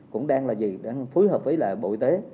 cũng đang là gì đang phối hợp với lại bộ y tế